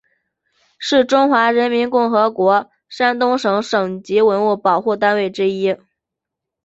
是中华人民共和国山东省省级文物保护单位之一。